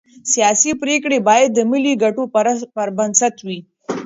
سیاسي پرېکړې باید د ملي ګټو پر بنسټ وي